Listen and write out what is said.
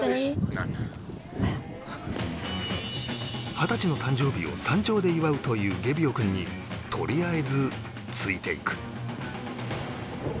二十歳の誕生日を山頂で祝うというゲビオ君にとりあえずついて行く